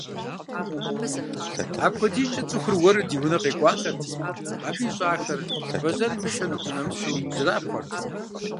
АпхуэдизкӀэ цӀыхур уэру ди унэ къекӀуалӀэрти, абы ищӀахэр, бэзэрым ишэну хунэмысу, зэрапхъуэрт.